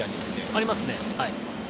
ありますね。